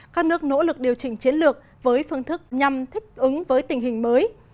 các nước nỗ lực điều chỉnh chiến lược với phương thức nhằm thích ứng với tình hình mới